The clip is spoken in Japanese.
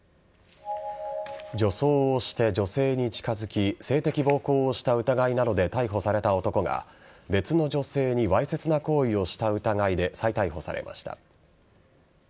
女装をして女性に近づき性的暴行した疑いなどで逮捕された男が別の女性にわいせつな行為をした疑いで再逮捕されました。